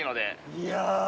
いや。